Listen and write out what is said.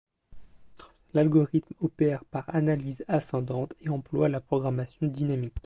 L'algorithme opère par analyse ascendante et emploie la programmation dynamique.